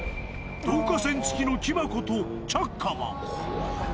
導火線付きの木箱とチャッカマン。